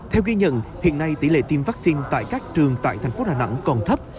theo ghi nhận hiện nay tỷ lệ tiêm vaccine tại các trường tại thành phố đà nẵng còn thấp